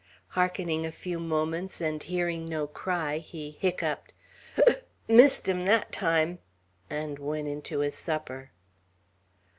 Hearkening a few moments, and hearing no cry, he hiccuped, "Mi i issed him that time," and went in to his supper.